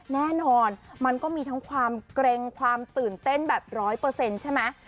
แน่นอนมันก็มีทั้งความเกร็งความตื่นเต้นแบบ๑๐๐ใช่ไหม